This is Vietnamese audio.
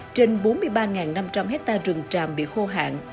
trên bốn mươi ba năm trăm linh hectare rừng tràm bị khô hạn